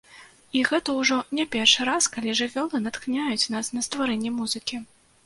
І гэта ўжо не першы раз, калі жывёлы натхняюць нас на стварэнне музыкі.